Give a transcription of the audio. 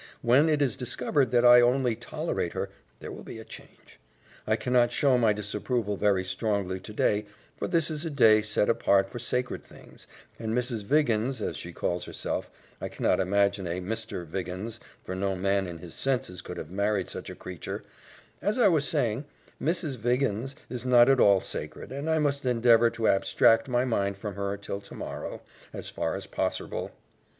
When it is discovered that I only tolerate her, there will be a change. I cannot show my disapproval very strongly today for this is a day set apart for sacred things, and Mrs. Viggins, as she called herself, I cannot imagine a Mr. Viggins for no man in his senses could have married such a creature, as I was saying, Mrs. Viggins is not at all sacred, and I must endeavor to abstract my mind from her till tomorrow, as far as posserble.